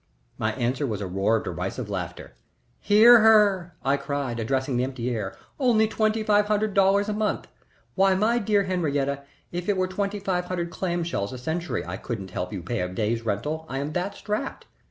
My answer was a roar of derisive laughter. "Hear her!" I cried, addressing the empty air. "Only twenty five hundred dollars a month! Why, my dear Henriette, if it were twenty five hundred clam shells a century I couldn't help you pay a day's rental, I am that strapped.